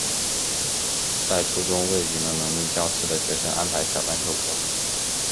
在初中为语文能力较次的学生安排小班授课。